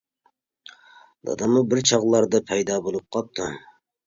داداممۇ بىر چاغلاردا پەيدا بولۇپ قاپتۇ.